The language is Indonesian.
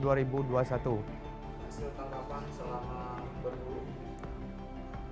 hasil tanggapan selama berburu